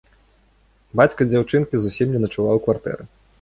Бацька дзяўчынкі зусім не начаваў у кватэры.